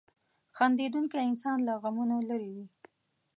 • خندېدونکی انسان له غمونو لرې وي.